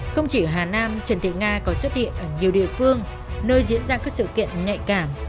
không chỉ ở hà nam trần thị nga còn xuất hiện ở nhiều địa phương nơi diễn ra các sự kiện nhạy cảm